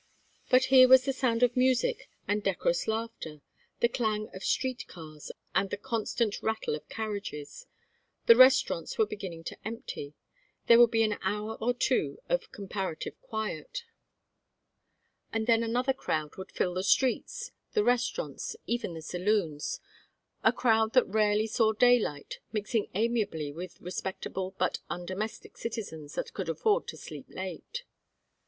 But here was the sound of music and decorous laughter, the clang of street cars and the constant rattle of carriages: the restaurants were beginning to empty; there would be an hour or two of comparative quiet, and then another crowd would fill the streets, the restaurants, even the saloons; a crowd that rarely saw daylight mixing amiably with respectable but undomestic citizens that could afford to sleep late.